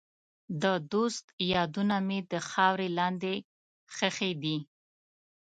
د دوست یادونه مې د خاورې لاندې ښخې دي.